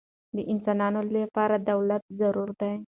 د انسانانو له پاره دولت ضروري دئ.